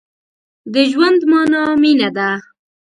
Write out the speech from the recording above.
د ژوند مانا مينه ده.